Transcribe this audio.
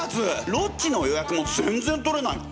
ロッジの予約も全然取れないの！